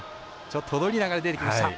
ちょっと踊りながら出てきました。